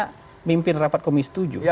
karena mimpin rapat komisi tujuh